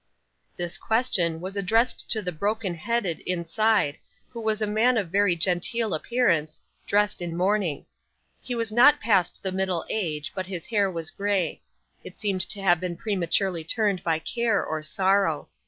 This question was addressed to the broken headed inside, who was a man of very genteel appearance, dressed in mourning. He was not past the middle age, but his hair was grey; it seemed to have been prematurely turned by care or sorrow.